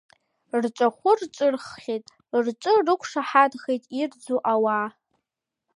Рҿахәы рҿырххьеит, рҿы рықәшаҳаҭхеит ирӡу ауаа…